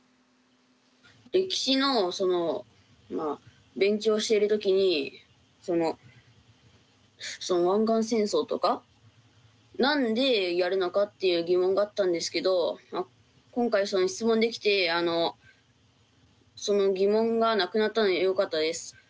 歴史の勉強をしている時に湾岸戦争とか何でやるのかっていう疑問があったんですけど今回質問できてその疑問がなくなったのでよかったです。